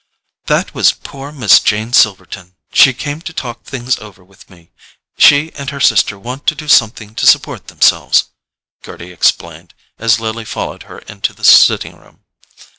"That was poor Miss Jane Silverton—she came to talk things over with me: she and her sister want to do something to support themselves," Gerty explained, as Lily followed her into the sitting room.